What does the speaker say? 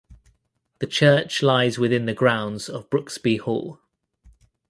The church lies within the grounds of Brooksby Hall.